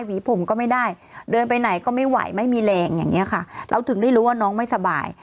ผีผมก็ไม่ได้เดินไปไหนก็ไม่ไหวไม่มีแรงอย่างเงี้ยค่ะเราถึงได้รู้ว่าน้องไม่สบาย